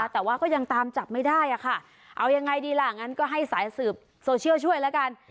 แต่ว่าก็ยังตามจับไม่ได้อะค่ะเอายังไงดีล่ะงั้นก็ให้สายสืบโซเชียลช่วยแล้วกัน